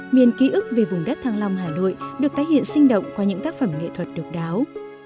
miền ký ức về vùng đất thăng long hà nội được tái hiện sinh động qua những tác phẩm nghệ thuật độc đáo